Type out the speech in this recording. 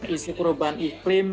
isi perubahan iklim